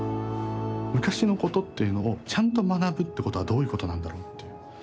昔のことっていうのをちゃんと学ぶってことはどういうことなんだろうっていう。